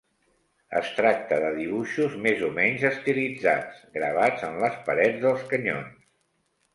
Es tracta de dibuixos més o menys estilitzats, gravats en les parets dels canyons.